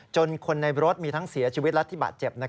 คนในรถมีทั้งเสียชีวิตและที่บาดเจ็บ